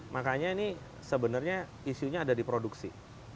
makanya ini sebenarnya isunya ada di produksi